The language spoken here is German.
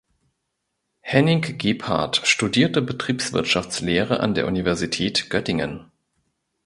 Henning Gebhardt studierte Betriebswirtschaftslehre an der Universität Göttingen.